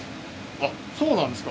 あっそうなんですか。